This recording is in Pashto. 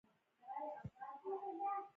موږ پر پنځمه شمېره سلو لیرې د ګټلو لپاره کېښودې.